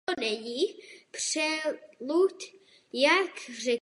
To není přelud, jak řekl Gorbačov, hlavní muž perestrojky.